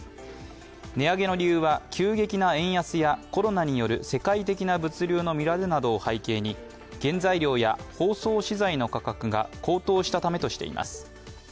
値上げの理由は急激な円安やコロナによる世界的な物流の乱れなどを背景に原材料や包装資材の価格が高騰したためとしています。